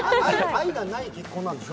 愛がない結婚なんでしょ？